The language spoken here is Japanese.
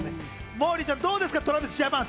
モーリーさん、どうですか？